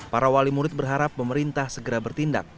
para wali murid berharap pemerintah segera bertindak